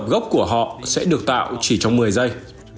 gốc của họ sẽ được tạo chỉ trong một mươi giây